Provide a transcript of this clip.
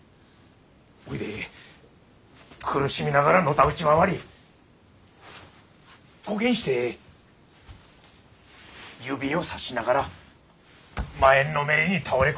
ほいで苦しみながらのたうち回りこげんして指をさしながら前んのめりに倒れ込み。